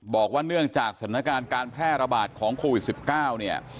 บอกว่าเนื่องจากสถานการณ์การแพร่ระบาดของโควิด๑๙เนี่ย